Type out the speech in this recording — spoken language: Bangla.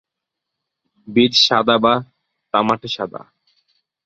বীজ সাদা বা তামাটে সাদা।